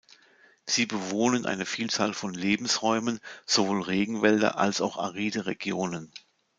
Sie bewohnen eine Vielzahl von Lebensräumen, sowohl Regenwälder als auch aride Regionen.